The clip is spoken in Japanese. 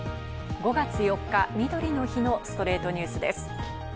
５月４日、みどりの日の『ストレイトニュース』です。